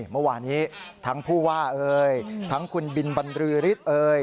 เมื่อวานี้ทั้งผู้ว่าเอ่ยทั้งคุณบินบรรลือฤทธิ์เอ่ย